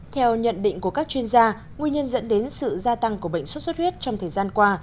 theo nhận định của các chuyên gia nguyên nhân dẫn đến sự gia tăng của bệnh xuất xuất huyết trong thời gian qua